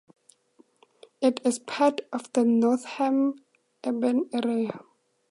It is part of the Nottingham Urban Area.